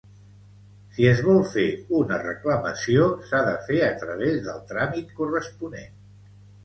Si es vol fer una reclamació, s'ha de fer a través del tràmit corresponent.